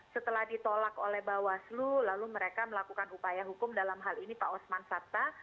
setelah ditolak oleh bawaslu lalu mereka melakukan upaya hukum dalam hal ini pak osman sabta